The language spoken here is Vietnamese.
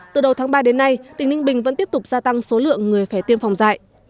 từ đầu tháng ba đến nay tỉnh ninh bình vẫn tiếp tục gia tăng số lượng người phải tiêm phòng dạy